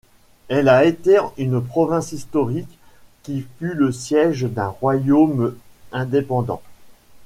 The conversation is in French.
Elle a été une province historique qui fut le siège d'un royaume indépendant.